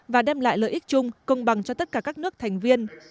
và đem lại lợi ích chung công bằng cho tất cả các nước thành viên